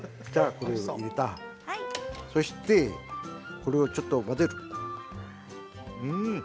これをちょっと混ぜる。